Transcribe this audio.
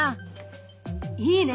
いいね！